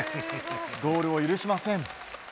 ゴールを許しません。